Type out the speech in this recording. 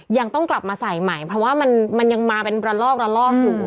ยังต้องกลับมาใส่ใหม่เพราะว่ามันยังมาเป็นระลอกระลอกอยู่